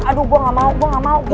aduh gue gak mau gue gak mau gue gak mau